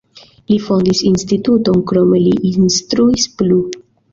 Li fondis instituton, krome li instruis plu.